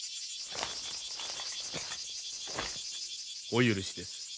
お許しです。